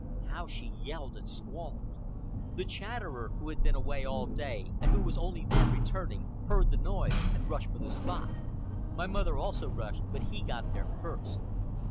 How she yelled and squalled. The Chatterer, who had been away all day and who was only then returning, heard the noise and rushed for the spot. My mother also rushed, but he got there first.